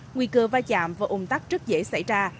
nguy cơ va chạm và ung tắc rất dễ xảy ra